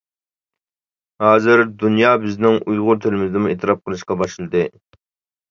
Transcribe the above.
ھازىر دۇنيا بىزنىڭ ئۇيغۇر تىلىمىزنىمۇ ئېتىراپ قىلىشقا باشلىدى.